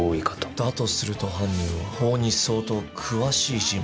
だとすると、犯人は法に相当詳しい人物。